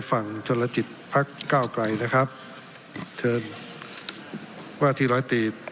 ฝั่งชนลจิตพักเก้าไกลนะครับเชิญว่าที่ร้อยตี